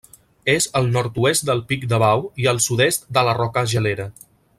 És al nord-oest del Pic de Bau i al sud-est de la Roca Gelera.